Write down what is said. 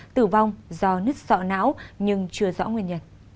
tử vong do nứt sọ não nhưng chưa rõ nguyên nhân